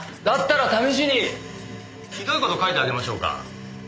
だったら試しにひどい事書いてあげましょうか？